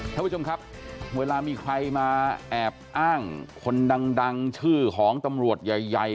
ท่านผู้ชมครับเวลามีใครมาแอบอ้างคนดังชื่อของตำรวจใหญ่